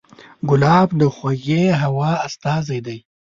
ګلاب د خوږې هوا استازی دی.